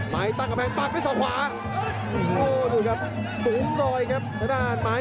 ไม้ตั้งแค่แค่ปักทั้งสองขวาโอ้ดูครับสูงหน่อยครับด้านไม้